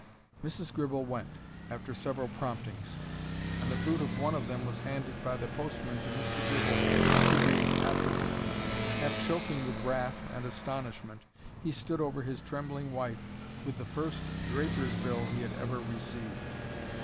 Mrs. Gribble went, after several promptings, and the fruit of one of them was handed by the postman to Mr. Gribble a few days afterwards. Half choking with wrath and astonishment, he stood over his trembling wife with the first draper's bill he had ever received.